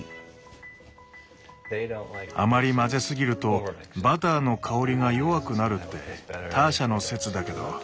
あまり混ぜすぎるとバターの香りが弱くなるってターシャの説だけど。